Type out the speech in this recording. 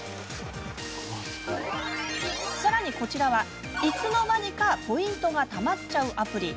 さらにこちらは、いつの間にかポイントがたまっちゃうアプリ。